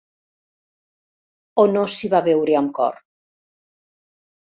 O no s'hi va veure amb cor.